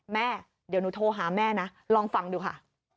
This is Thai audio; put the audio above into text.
แม่เดี๋ยวหนูโทรหาแม่นะลองฟังดูค่ะ